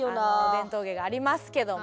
伝統芸がありますけども。